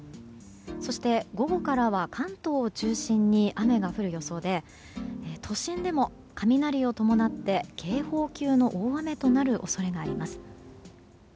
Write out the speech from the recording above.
そして、午後からは関東を中心に雨が降る予想で都心でも雷を伴って警報級の大雨となる恐れがあります。